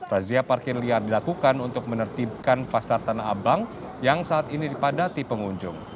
razia parkir liar dilakukan untuk menertibkan pasar tanah abang yang saat ini dipadati pengunjung